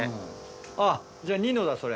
じゃあニノだそれ。